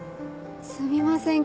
すみません